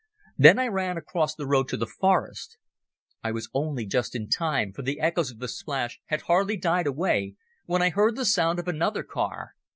Then I ran across the road to the forest. I was only just in time, for the echoes of the splash had hardly died away when I heard the sound of another car.